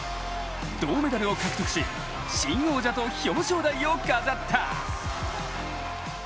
銅メダルを獲得し新王者と表彰台を飾った。